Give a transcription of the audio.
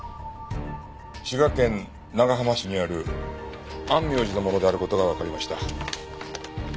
滋賀県長浜市にある安妙寺のものである事がわかりました。